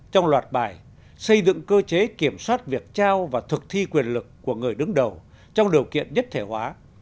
trong loạt bài xây dựng cơ chế kiểm soát việc trao và thực thi quyền lực của người đứng đầu trong điều kiện nhất thể hóa